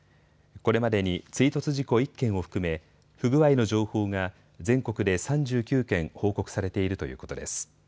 これまでに追突事故１件を含め不具合の情報が全国で３９件報告されているということです。